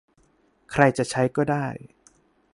ใครจะใช้ก็ได้